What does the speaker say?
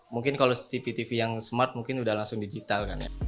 mungkin kalau tv tv yang smart mungkin udah langsung digital kan ya